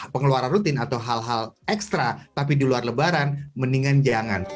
pengeluaran rutin atau hal hal ekstra tapi di luar lebaran mendingan jangan